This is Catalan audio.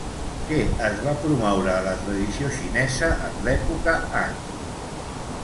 Què es va promoure a la tradició xinesa en l'època Han?